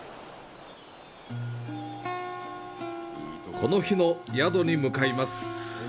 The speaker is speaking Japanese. この日の宿に向かいます。